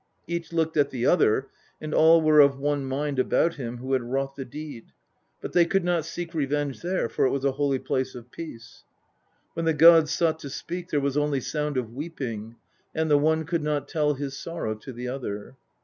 Each looked at the other, and all were of one mind about him who had wrought the deed, but they could not seek revenge there, for it was a holy place of peace. When the gods sought to speak there was only sound of weeping, and the one could not tell his sorrow to the other.